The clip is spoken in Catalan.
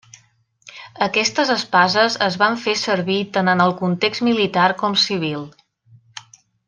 Aquestes espases es van fer servir tant en el context militar com civil.